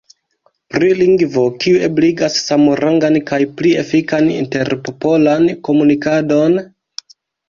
Pri lingvo kiu ebligas samrangan kaj pli efikan interpopolan komunikadon?